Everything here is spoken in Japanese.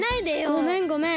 ごめんごめん。